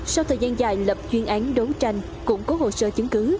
sau thời gian dài lập chuyên án đấu tranh củng cố hồ sơ chứng cứ